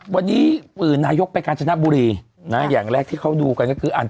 วันนี้นายกไปกาญจนบุรีนะอย่างแรกที่เขาดูกันก็คือ